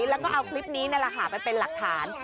แล้วก็เอาคลิปนี้ในราคาเป็นเป็นหลักฐาน